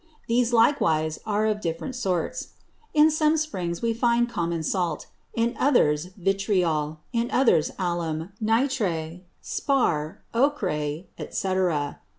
These likewise are of different sorts. In some Springs we find common Salt, in others Vitriol, in others Alum, Nitre, Sparr, Ochre, &c.